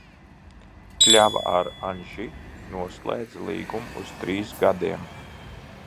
"Kļava ar "Anži" noslēdza līgumu uz trīs gadiem."